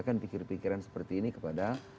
menyampaikan pikiran pikiran seperti ini kepada